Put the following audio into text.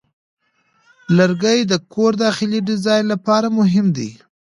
لرګی د کور داخلي ډیزاین لپاره مهم دی.